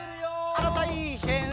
あらたいへん。